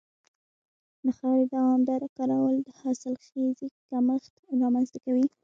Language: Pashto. د خاورې دوامداره کارول د حاصلخېزۍ کمښت رامنځته کوي.